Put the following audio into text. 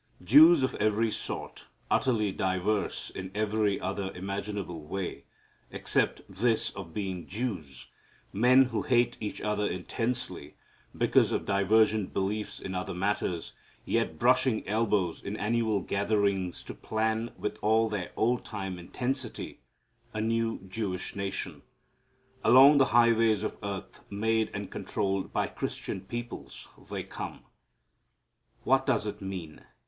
Jews of every sort, utterly diverse in every other imaginable way, except this of being Jews, men who hate each other intensely because of divergent beliefs in other matters, yet brushing elbows in annual gatherings to plan with all their old time intensity a new Jewish nation. Along the highways of earth, made and controlled by Christian peoples, they come. What does it mean?